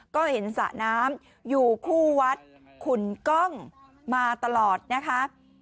ก็เห็นสระน้ำอยู่คู่วัดขุนกล้องมาตลอดนะคะ